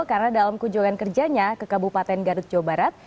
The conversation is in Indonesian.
karena dalam kunjungan kerjanya ke kabupaten garut jawa barat